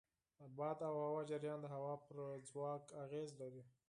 باد او د هوا جریان د حیوان پر ځواک اغېز لري.